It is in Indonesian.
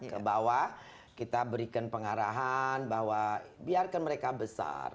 ke bawah kita berikan pengarahan bahwa biarkan mereka besar